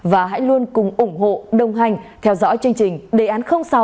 và hãy luôn cùng ủng hộ đồng hành theo dõi chương trình đề án sáu